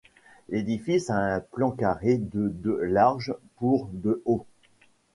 L'édifice a un plan carré de de large pour de haut.